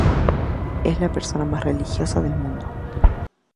Es la persona mas religiosa del mundo.